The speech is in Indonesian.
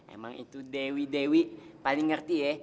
emang itu dewi dewi paling ngerti ya